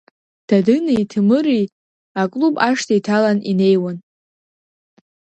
Дадыни Ҭемыри аклуб ашҭа иҭалан инеиуан.